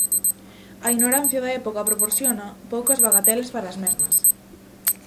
A ignorancia da época proporciona poucas bagatelas para as mesmas.